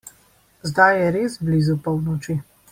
Zdaj je res blizu polnoči.